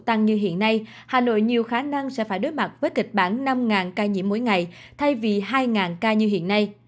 tăng như hiện nay hà nội nhiều khả năng sẽ phải đối mặt với kịch bản năm ca nhiễm mỗi ngày thay vì hai ca như hiện nay